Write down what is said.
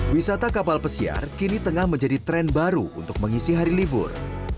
wisata kapal pesiar kini tengah menjadi tren baru untuk mengisi hari libur